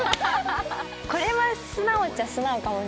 これは素直っちゃ素直かも。